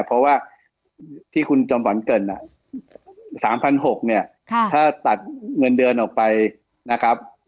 เพราะว่าที่คุณจอมขวัญเกิด๓๖๐๐เนี่ยถ้าตัดเงินเดือนออกไปนะครับ